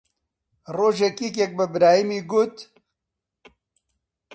ڕۆژێک یەکێک بە برایمی گوت: